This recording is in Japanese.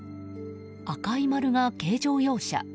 赤い丸が、軽乗用車。